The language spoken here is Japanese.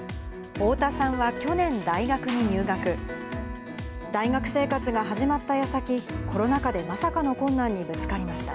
大田さんは去年、大学に入学、大学生活が始まったやさき、コロナ禍でまさかの困難にぶつかりました。